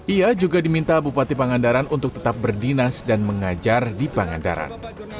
ia juga diminta bupati pangandaran untuk tetap berdinas dan mengajar di pangandaran